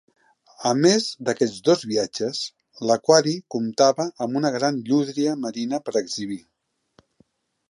A més d'aquests dos viatges, l'aquari comptava amb una gran llúdria marina per exhibir.